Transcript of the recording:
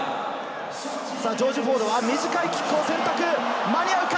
ジョージ・フォードは短いキックを選択、間に合うか？